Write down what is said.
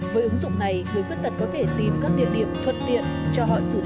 với ứng dụng này người khuyết tật có thể tìm các địa điểm thuận tiện cho họ sử dụng